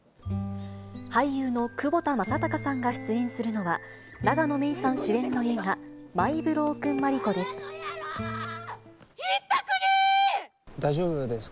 俳優の窪田正孝さんが出演するのは、永野芽郁さん主演の映画、マイ・ブロークン・マリコです。